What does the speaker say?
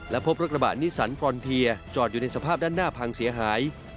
พบรถกระบะนิสันฟรอนเทียจอดอยู่ในสภาพด้านหน้าพังเสียหาย